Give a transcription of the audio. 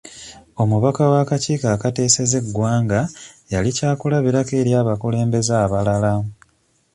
Omubaka wa akakiiko akateeseza eggwanga yali kya kulabirako eri abakulembeze abalala.